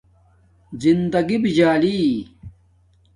زندگݵ بجالی